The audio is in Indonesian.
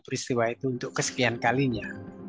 peristiwa itu untuk kesekian kalinya